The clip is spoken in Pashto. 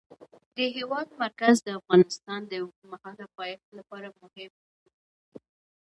د هېواد مرکز د افغانستان د اوږدمهاله پایښت لپاره مهم رول لري.